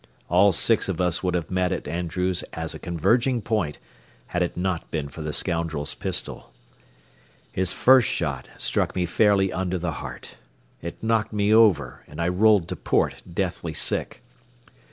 All six of us would have met at Andrews as a converging point, had it not been for the scoundrel's pistol. His first shot struck me fairly under the heart. It knocked me over, and I rolled to port, deathly sick.